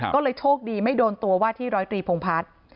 ก็เลยโชคดีไม่โดนตัวว่าที่ร้อยตรีพงพัฒน์